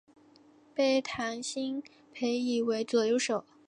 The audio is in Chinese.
被谭鑫培倚为左右手。